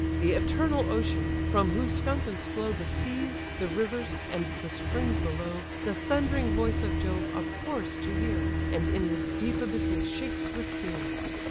The eternal ocean, from whose fountains flow The seas, the rivers, and the springs below, The thundering voice of Jove abhors to hear, And in his deep abysses shakes with fear."